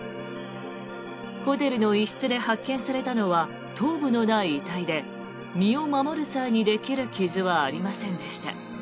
ホテルの一室で発見されたのは頭部のない遺体で身を守る際にできる傷はありませんでした。